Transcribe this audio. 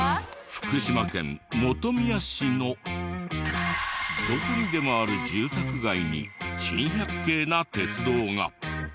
福島県本宮市のどこにでもある住宅街に珍百景な鉄道が。